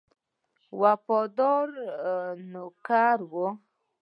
وفادار نوکر وو.